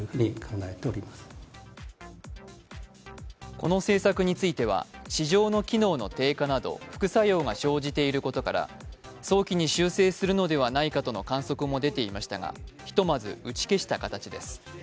この政策については市場の機能の低下など副作用が生じていることから、早期に修正するのではないかとの観測も出ていましたがひとまず打ち消した形です。